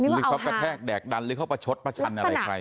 หรือเขากระแทกแดกดันหรือเขาประชดประชันอะไรใคร